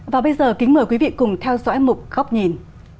và bây giờ kính mời quý vị cùng theo dõi một góc nhìn